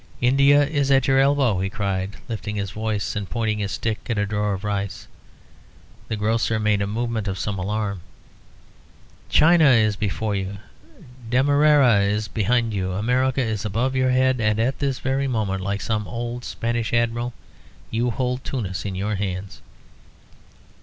India is at your elbow," he cried, lifting his voice and pointing his stick at a drawer of rice, the grocer making a movement of some alarm, "China is before you, Demerara is behind you, America is above your head, and at this very moment, like some old Spanish admiral, you hold Tunis in your hands."